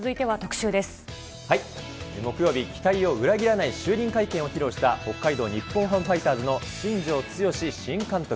木曜日、期待を裏切らない就任会見を披露した、北海道日本ハムファイターズの新庄剛志新監督。